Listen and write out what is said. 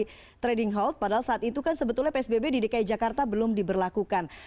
jadi trading hold padahal saat itu kan sebetulnya psbb di dki jakarta belum diberlakukan